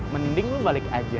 mending lu balik aja